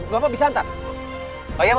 bapak bisa hantar